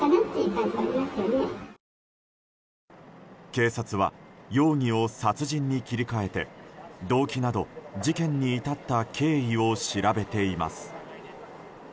警察は容疑を殺人に切り替えて動機など、事件に至った経緯を調べています。